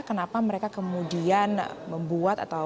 kenapa mereka kemudian membuat atau